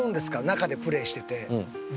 中でプレーしてて。